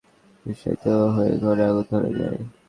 তার ছিঁড়ে টিনের চালের ওপর পড়ে বিদ্যুতায়িত হয়ে ঘরে আগুন ধরে যায়।